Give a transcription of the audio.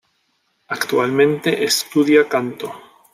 Actualmente estudia canto.